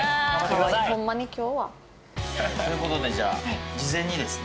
「ホンマに今日は」。という事でじゃあ事前にですね